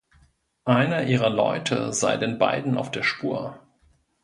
Einer ihrer Leute sei den beiden auf der Spur.